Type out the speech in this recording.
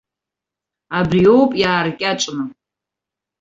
Абри оуп иааркьаҿны.